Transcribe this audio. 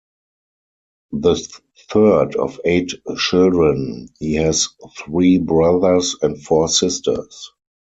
The third of eight children, he has three brothers and four sisters.